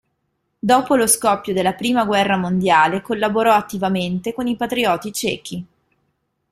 Dopo lo scoppio della Prima guerra mondiale collaborò attivamente con i patrioti cechi.